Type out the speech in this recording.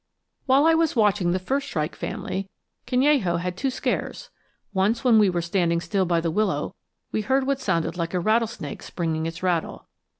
While I was watching the first shrike family, Canello had two scares. Once when we were standing still by the willow we heard what sounded like a rattlesnake springing its rattle.